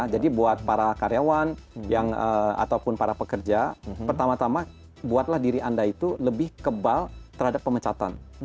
jadi buat para karyawan yang ataupun para pekerja pertama tama buatlah diri anda itu lebih kebal terhadap pemecatan